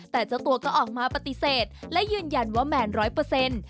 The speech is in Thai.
แต่เจ้าตัวก็ออกมาปฏิเสธและยืนยันว่าแมนร้อยเปอร์เซ็นต์